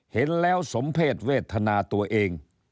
เห็นแล้วสมเพศเวทนาตัวเอง